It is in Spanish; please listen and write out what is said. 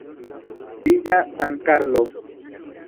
Villa San Carlos.